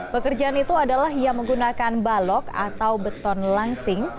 pekerjaan itu adalah yang menggunakan balok atau beton langsing